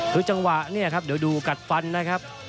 คือจังหวะเนี่ยครับเดี๋ยวดูกัดฟันนะครับ